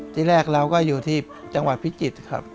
ที่แรกเราก็อยู่ที่จังหวัดพิจิตรครับ